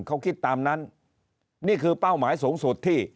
เขาคิดตามนั้นนี่คือเป้าหมายสูงสุดที่